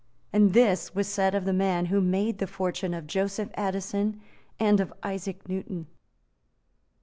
And this was said of the man who made the fortune of Joseph Addison, and of Isaac Newton.